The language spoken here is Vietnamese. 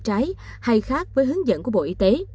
trái hay khác với hướng dẫn của bộ y tế